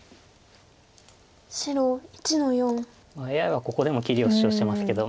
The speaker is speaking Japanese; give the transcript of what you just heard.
ＡＩはここでも切りを主張してますけど。